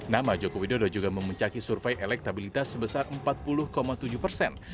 nama jokowi dodo juga memencaki survei elektabilitas sebesar empat puluh tujuh persen